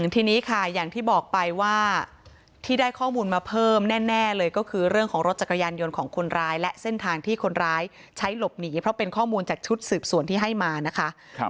ทีนี้ค่ะอย่างที่บอกไปว่าที่ได้ข้อมูลมาเพิ่มแน่เลยก็คือเรื่องของรถจักรยานยนต์ของคนร้ายและเส้นทางที่คนร้ายใช้หลบหนีเพราะเป็นข้อมูลจากชุดสืบสวนที่ให้มานะคะ